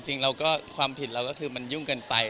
จริงความผิดเราก็คือมันยุ่งกันไป